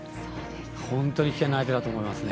本当に危険な相手だと思いますね。